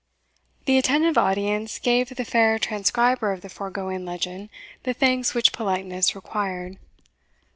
The attentive audience gave the fair transcriber of the foregoing legend the thanks which politeness required.